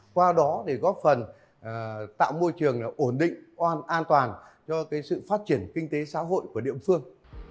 qua đó góp phần tạo môi trường ổn định an toàn cho sự phát triển kinh tế xã hội của địa phương